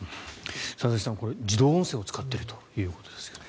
佐々木さん、自動音声を使っているということですが。